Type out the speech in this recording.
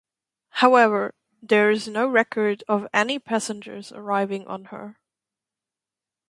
However there is no record of any passengers arriving on her.